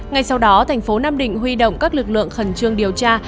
ngay sau đó thành phố nam định huy động các lực lượng khẩn trương điều tra